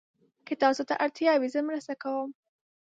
که تاسو ته اړتیا وي، زه مرسته کوم.